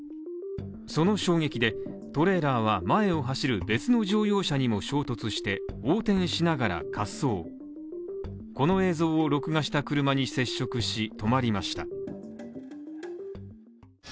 その衝撃でトレーラーは前を走る別の乗用車にも衝突して横転しながら滑走この映像を録画した車に接触し、止まりました。